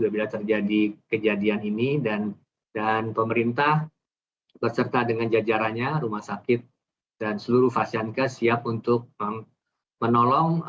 bila terjadi kejadian ini dan pemerintah beserta dengan jajarannya rumah sakit dan seluruh fasianke siap untuk menolong